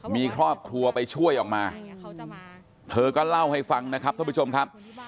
มีครอบครัวไปช่วยออกมาเธอก็เล่าให้ฟังนะครับท่านผู้ชมครับ